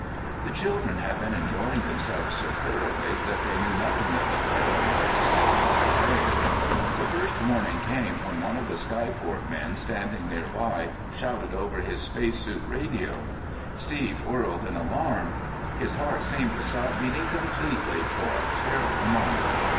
The children had been enjoying themselves so thoroughly that they knew nothing of the peril that was heading their way. The first warning came when one of the skyport men standing nearby shouted over his space suit radio. Steve whirled in alarm. His heart seemed to stop beating completely for a terrible moment.